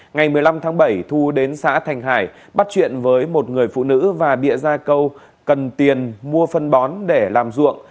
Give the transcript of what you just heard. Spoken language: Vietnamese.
ngày một mươi năm tháng bảy thu đến xã thành hải bắt chuyện với một người phụ nữ và địa gia câu cần tiền mua phân bón để làm ruộng